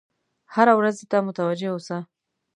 هرې ورځې ته متوجه اوسه.